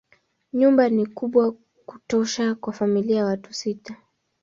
Nyumba ni kubwa kutosha kwa familia ya watu sita.